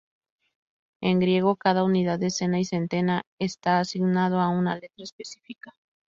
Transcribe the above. En griego, cada unidad, decena y centena está asignado a una letra específica.